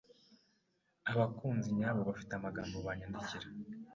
abakunzi nyabo bafite amagambo banyandikira